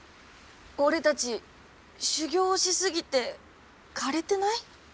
俺たち修業し過ぎて枯れてない？